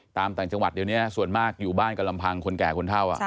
ต่างจังหวัดเดี๋ยวนี้ส่วนมากอยู่บ้านกับลำพังคนแก่คนเท่า